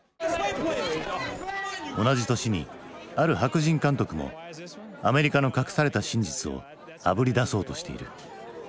同じ年にある白人監督もアメリカの隠された真実をあぶり出そうとしている。